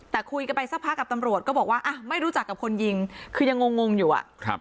แต่คุยกันไปสักพักกับตำรวจก็บอกว่าอ่ะไม่รู้จักกับคนยิงคือยังงงงอยู่อ่ะครับ